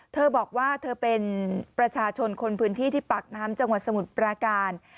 เธอบอกว่าเธอเป็นประชาชนคนพื้นที่ที่ปากน้ำจังหวัดสมุทรปราการ